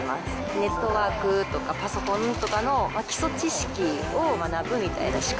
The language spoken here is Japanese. ネットワークとか、パソコンとかの基礎知識を学ぶみたいな資格。